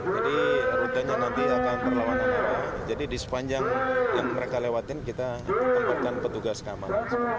jadi rutenya nanti akan berlawanan awal jadi di sepanjang yang mereka lewatin kita tempatkan petugas kamar